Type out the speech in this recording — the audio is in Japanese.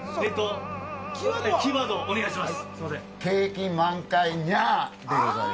キーワードをお願いします。